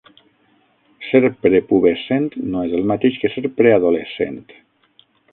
Ser prepubescent no és el mateix que ser preadolescent.